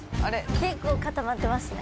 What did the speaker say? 結構固まってますね。